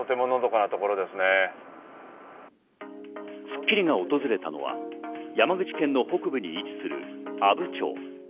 『スッキリ』が訪れたのは山口県の北部に位置する阿武町。